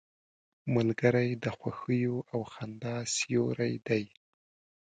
ملګری د خوښیو او خندا سیوری دی